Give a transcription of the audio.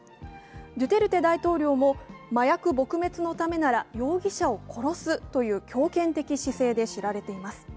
ドゥテルテ大統領も麻薬撲滅のためなら容疑者を殺すという強権的姿勢で知られています。